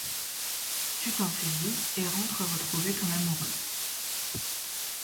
Tu t’en saisis et rentres retrouver ton amoureuse.